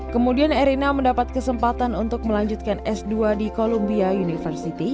kemudian erina mendapat kesempatan untuk melanjutkan s dua di columbia university